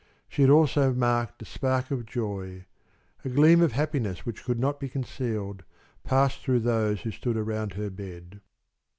She had also marked a spark of joy a gleam of happiness which could not be concealed pass through those who stood around her bed.